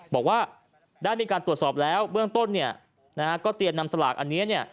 บอกว่าได้มีการตรวจสอบแล้วเบื้องต้นเนี่ยนะฮะก็เตียนนำสลากอันนี้เนี่ย